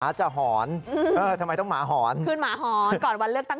หมาจะหอนทำไมต้องหมาหอน